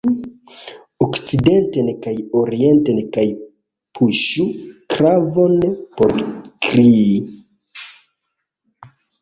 Okcidenten kaj orienten kaj puŝu klavon por krii.